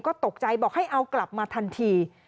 ก็ตกใจบอกให้เอากลับมาทันที